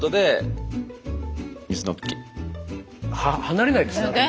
離れないですね。